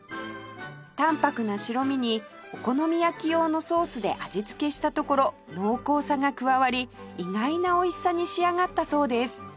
淡泊な白身にお好み焼き用のソースで味付けしたところ濃厚さが加わり意外な美味しさに仕上がったそうです